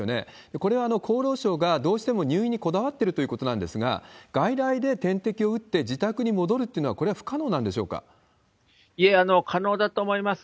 これは厚労省がどうしても入院にこだわってるということなんですが、外来で点滴を打って、自宅に戻るっていうのは、これは不可能いえ、可能だと思います。